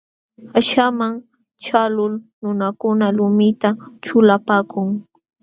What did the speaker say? Qaśhaman ćhaqlul nunakuna lumita ćhulapaakun.